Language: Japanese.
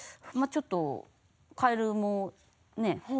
ちょっとカエルもね